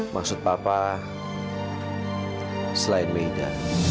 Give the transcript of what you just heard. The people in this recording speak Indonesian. maksud papa selain aida